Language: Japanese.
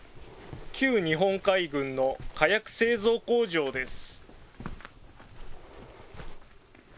旧日本海軍の火薬製造工場です。